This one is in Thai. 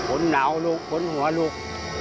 อุ่นเหน่าลุกอุ่นหัวลุก